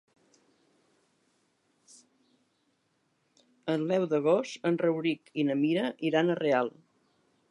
El deu d'agost en Rauric i na Mira iran a Real.